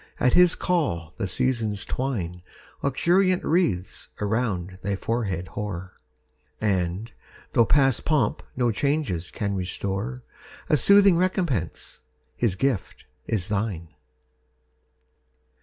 at his call the Seasons twine Luxuriant wreaths around thy forehead hoar; And, though past pomp no changes can restore, A soothing recompence, his gift, is thine!